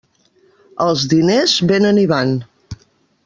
Els diners vénen i van.